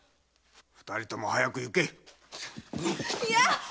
二人とも早く行け。いや！